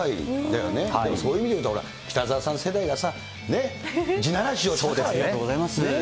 でもそういう意味で言うと、北澤さん世代がさ、地ならしをしありがとうございます。